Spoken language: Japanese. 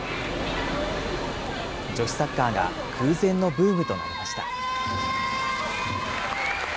女子サッカーが空前のブームとなりました。